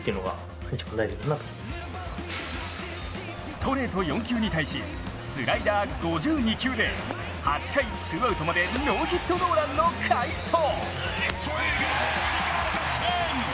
ストレート４球に対しスライダー５２球で８回ツーアウトまでノーヒット・ノーランの快投。